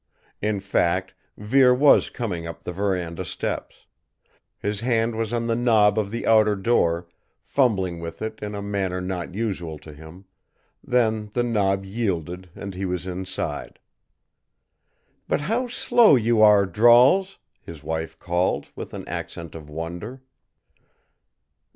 In fact, Vere was coming up the veranda steps. His hand was on the knob of the outer door, fumbling with it in a manner not usual to him, then the knob yielded and he was inside. "But how slow you are, Drawls," his wife called, with an accent of wonder.